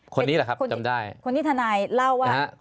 คนนี้แหละครับคนจำได้คนที่ทนายเล่าว่า